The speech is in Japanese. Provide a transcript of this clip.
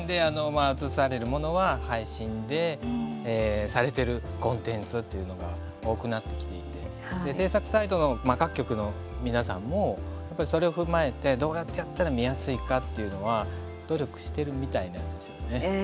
映されるものは、配信でされてるコンテンツっていうのが多くなってきていて制作サイドの各局の皆さんもやっぱり、それを踏まえてどうやってやったら見やすいかっていうのは努力してるみたいなんですよね。